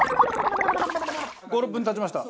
５６分経ちました。